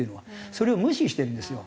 それを無視してるんですよ。